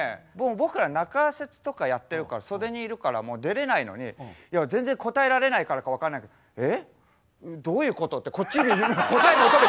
僕ら中説とかやってるから袖にいるからもう出れないのに全然答えられないからか分かんないけど「え？どういうこと」ってこっちに答え求めて。